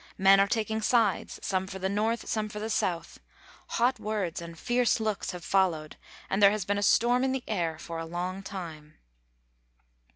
Men are taking sides, some for the North, some for the South. Hot words and fierce looks have followed, and there has been a storm in the air for a long time.